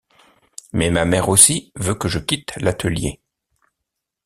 Mais ma mère aussi veut que je quitte l’atelier.